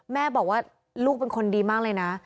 แม่บอกว่าลูกเป็นคนดีมากเลยนะ